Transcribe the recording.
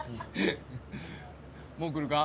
もう来るか？